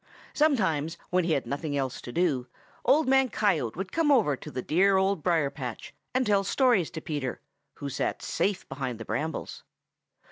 Sometimes when he had nothing else to do, Old Man Coyote would come over to the dear Old Briar patch and tell stories to Peter, who sat safe behind the brambles.